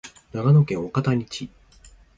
長野県岡谷市